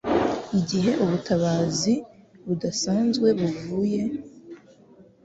Igihe Ubutabazi Budasanzwe Buvuye